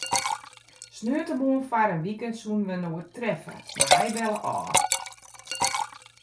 Sneontemoarn foar in wike soene wy inoar treffe, mar hy belle ôf.